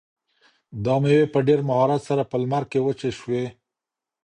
دا مېوې په ډېر مهارت سره په لمر کې وچې شوي.